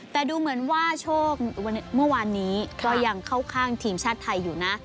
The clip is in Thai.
แต่ดูเหมือนว่าโชคเมื่อวานนี้ก็ยังเข้าข้างทีมชาติไทยอยู่นะ